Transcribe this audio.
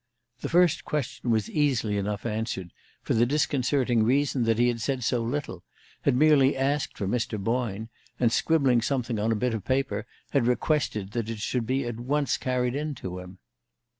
The first question was easily enough answered, for the disconcerting reason that he had said so little had merely asked for Mr. Boyne, and, scribbling something on a bit of paper, had requested that it should at once be carried in to him.